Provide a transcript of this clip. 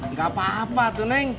nggak papa tuh neng